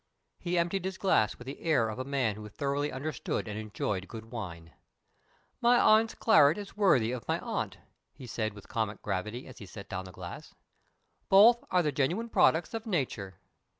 He emptied his glass with the air of a man who thoroughly understood and enjoyed good wine. "My aunt's claret is worthy of my aunt," he said, with comic gravity, as he set down the glass. "Both are the genuine products of Nature."